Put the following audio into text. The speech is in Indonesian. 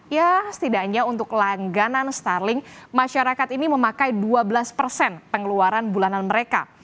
ya setidaknya untuk langganan starling masyarakat ini memakai dua belas persen pengeluaran bulanan mereka